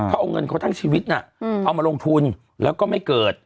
เขาเอาเงินเขาทั้งชีวิตน่ะเอามาลงทุนแล้วก็ไม่เกิด